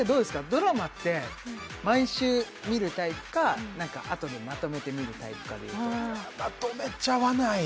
ドラマって毎週見るタイプかあとでまとめて見るタイプかでいうとまとめちゃわない？